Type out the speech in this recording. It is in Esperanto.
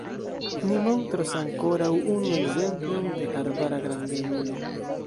Ni montros ankoraŭ unu ekzemplon de arbara grandegulo.